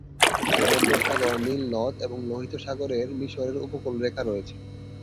ভূমধ্যসাগর, নীল নদ এবং লোহিত সাগরের মিশরের উপকূলরেখা রয়েছে।